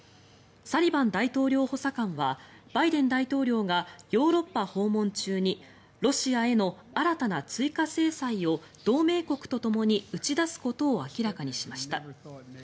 サリバン大統領補佐官はバイデン大統領がヨーロッパ訪問中にロシアへの新たな追加制裁を同盟国とともに打ち出すことを明らかにしました。